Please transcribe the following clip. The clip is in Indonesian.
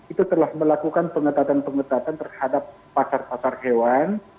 itu telah melakukan pengetatan pengetatan terhadap pasar pasar hewan